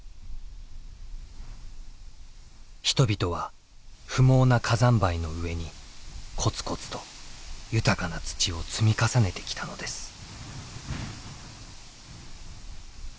人々は不毛な火山灰の上にこつこつと豊かな土を積み重ねてきたのです。